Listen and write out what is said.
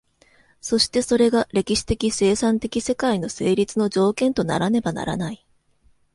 そしてそれが歴史的生産的世界の成立の条件とならねばならない。